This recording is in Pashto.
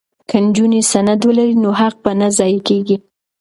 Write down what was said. که نجونې سند ولري نو حق به نه ضایع کیږي.